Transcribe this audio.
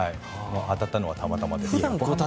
当たったのはたまたまです。